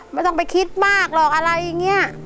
ไม่ต้องไปคิดมากหรอกอะไรอย่างนี้